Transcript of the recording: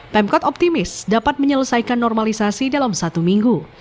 pemkot optimis dapat menyelesaikan normalisasi dalam satu minggu